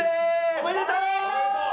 おめでとう！